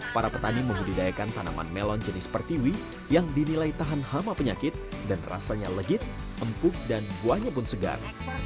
para petani membudidayakan tanaman melon jenis pertiwi yang dinilai tahan hama penyakit dan rasanya legit empuk dan buahnya pun segar